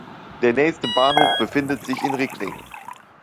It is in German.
Der nächste Bahnhof befindet sich in Rickling.